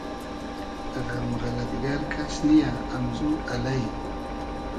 غئم غئلئد گئر کئس نییۂ امزو الݷ